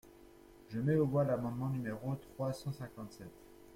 Je mets aux voix l’amendement numéro trois cent cinquante-sept.